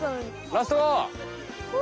ラスト５。